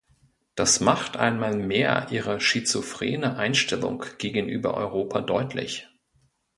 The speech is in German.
Das macht einmal mehr ihre schizophrene Einstellung gegenüber Europa deutlich.